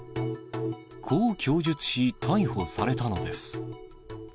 こう供述し、逮捕されたのです。